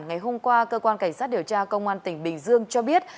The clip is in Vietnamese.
ngày hôm qua cơ quan cảnh sát điều tra công an tỉnh bình dương cho biết